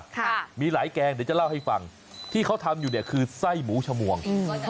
ค่ะมีหลายแกงเดี๋ยวจะเล่าให้ฟังที่เขาทำอยู่เนี่ยคือไส้หมูชมวงอืม